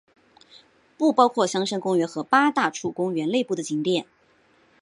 不包括香山公园和八大处公园内部的景点。